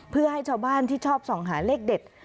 เพื่อให้ชาวบ้านที่ชอบส่องหาเลขเด็ด